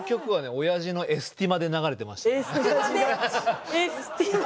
おやじがエスティマで流してた。